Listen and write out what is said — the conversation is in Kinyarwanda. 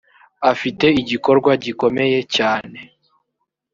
afite igikorwa gikomeye cyane .